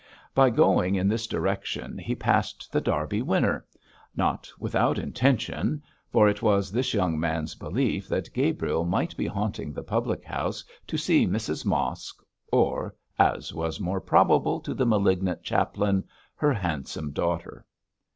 By going in this direction he passed The Derby Winner not without intention for it was this young man's belief that Gabriel might be haunting the public house to see Mrs Mosk or as was more probable to the malignant chaplain her handsome daughter.